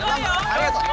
ありがとう。